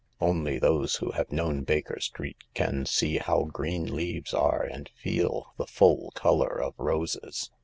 Only those who have known Baker Street can see how green leaves are and feel the full colour of roses."